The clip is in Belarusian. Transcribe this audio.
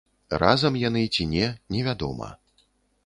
Разам яны ці не, невядома.